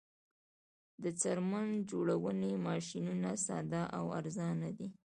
د څرمن جوړونې ماشینونه ساده او ارزانه دي